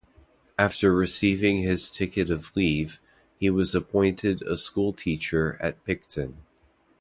After receiving his ticket of leave, he was appointed a school teacher at Picton.